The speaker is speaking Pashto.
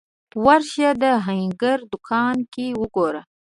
ورشه د هنګر دوکان کې وګوره